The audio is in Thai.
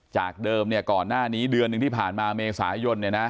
จากเดิมก่อนหน้านี้เดือนหนึ่งที่ผ่านมาเมษายน